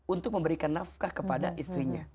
untuk memberikan nafkah kepada istrinya